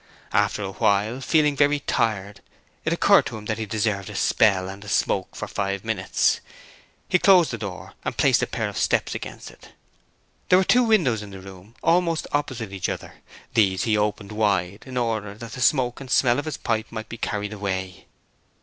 After a while, feeling very tired, it occurred to him that he deserved a spell and a smoke for five minutes. He closed the door and placed a pair of steps against it. There were two windows in the room almost opposite each other; these he opened wide in order that the smoke and smell of his pipe might be carried away.